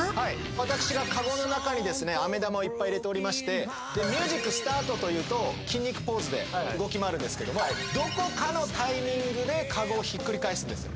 私がカゴの中にですね飴玉をいっぱい入れておりましてミュージックスタートと言うと筋肉ポーズで動き回るんですけどもどこかのタイミングでカゴをひっくり返すんですよ